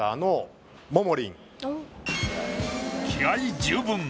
気合十分。